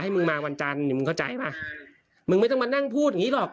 มึงมาวันจันทร์มึงเข้าใจป่ะมึงไม่ต้องมานั่งพูดอย่างงี้หรอก